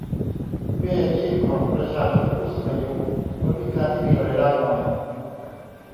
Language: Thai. เบี้ยยังชีพของประชาชนผู้สูงอายุ คนพิการที่มีรายได้น้อย